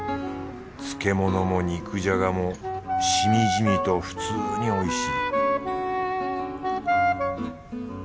漬けものも肉じゃがもしみじみと普通においしい